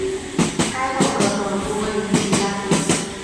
该党的总部位于芝加哥。